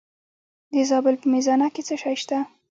د زابل په میزانه کې څه شی شته؟